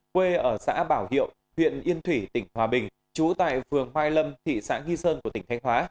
quê ở xã bảo hiệu huyện yên thủy tỉnh hòa bình trú tại phường mai lâm thị xã nghi sơn của tỉnh thanh hóa